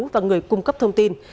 và người cung cấp thông tin